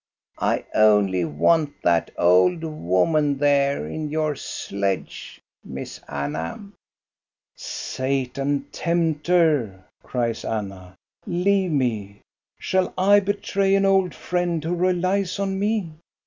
I only want that old woman there in your sledge. Miss Anna." "Satan, tempter," cries Anna, "leave me! Shall I betray an old friend who relies on me.?